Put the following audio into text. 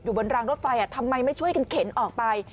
บนรางรถไฟทำไมไม่ช่วยกันเข็นออกไป